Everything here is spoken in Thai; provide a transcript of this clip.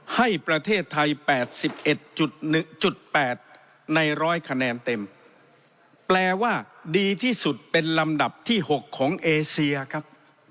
ให้ประเทศไทย๘๑๘ใน๑๐๐คะแนนเต็มแปลว่าดีที่สุดเป็นลำดับที่๖ของเอเซียครับ